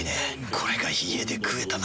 これが家で食えたなら。